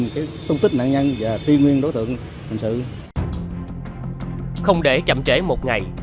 không để chậm trễ một ngày